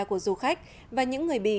của du khách và những người bỉ